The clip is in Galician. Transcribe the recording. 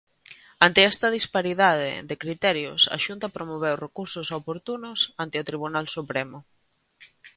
Ante esta disparidade de criterios, a Xunta promoveu recursos oportunos ante o Tribunal Supremo.